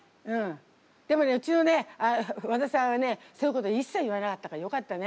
でもねうちのね和田さんはねそういうこといっさい言わなかったからよかったね。